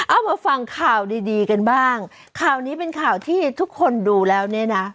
เอามาฟังข่าวดีดีกันบ้างข่าวนี้เป็นข่าวที่ทุกคนดูแล้วเนี่ยนะ